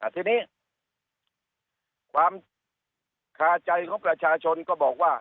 ทีนี้ความคาใจของประชาชนก็บอกว่า